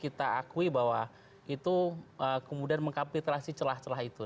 kita harus kita akui bahwa itu kemudian mengkapitulasi celah celah itu